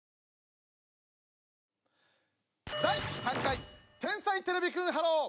第３回「天才てれびくんｈｅｌｌｏ，」。